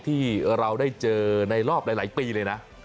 ที่เราได้เจอในรอบหลายปีเลยนะ